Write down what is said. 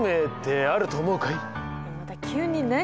また急に何？